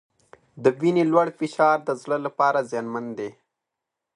د وینې لوړ فشار د زړه لپاره زیانمن دی.